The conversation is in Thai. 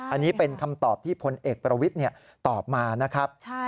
อันนี้เป็นคำตอบที่พลเอกประวิทย์ตอบมานะครับ